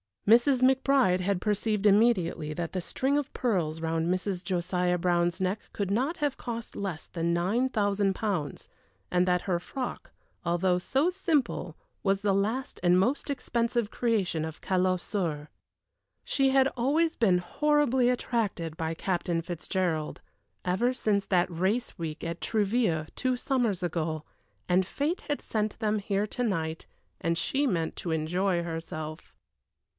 Mrs. McBride had perceived immediately that the string of pearls round Mrs. Josiah Brown's neck could not have cost less than nine thousand pounds, and that her frock, although so simple, was the last and most expensive creation of Callot Soeurs. She had always been horribly attracted by Captain Fitzgerald, ever since that race week at Trouville two summers ago, and fate had sent them here to night, and she meant to enjoy herself.